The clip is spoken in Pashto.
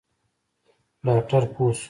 ډاکتر پوه سو.